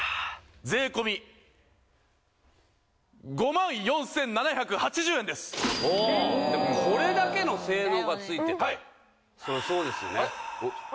税込５万４７８０円ですおおでもこれだけの性能がついててそりゃそうですよねは